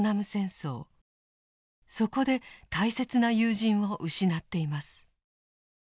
そこで大切な友人を失っています。